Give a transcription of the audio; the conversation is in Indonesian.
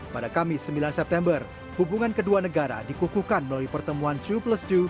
pada kamis sembilan september hubungan kedua negara dikukukan melalui pertemuan dua plus dua